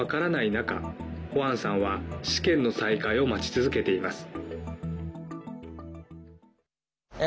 中ホァンさんは試験の再開を待ち続けています。